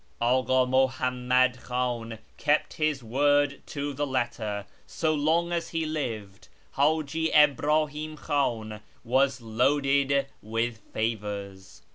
Aka Muhammad Khan kept his word to the letter. So long as he lived, Htiji Ibrahim Khan was loaded with favours.